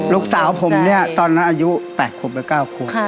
ลูกสาวผมเนี่ยตอนนั้นอายุ๘ขวบและ๙ขวบ